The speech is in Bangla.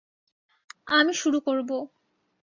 আমি শুরু করব।